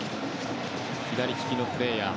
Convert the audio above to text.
左利きのプレーヤー。